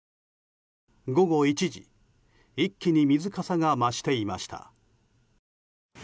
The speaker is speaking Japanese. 午後１時、一気に水かさが増していました。